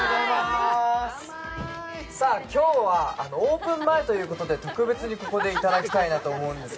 今日はオープン前ということで特別にここでいただきたいと思います。